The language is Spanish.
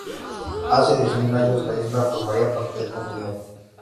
Hace diez mil años la isla formaría parte del continente.